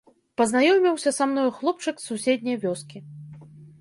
Пазнаёміўся са мною хлопчык з суседняй вёскі.